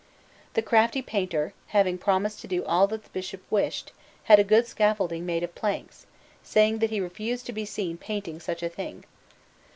The crafty painter, having promised to do all that the Bishop wished, had a good scaffolding made of planks, saying that he refused to be seen painting such a thing.